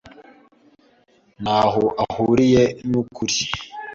ntaho ahuriye nukuri.